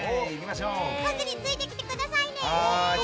ハグについてきてくださいね！